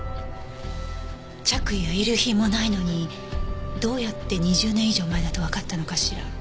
着衣や遺留品もないのにどうやって２０年以上前だとわかったのかしら？